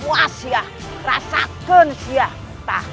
puas ya rasakan sih ya